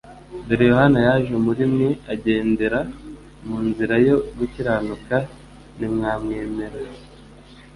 Dore Yohana yaje muri mwe. agendera mu nzira yo gukiranuka, ntimwamwemera.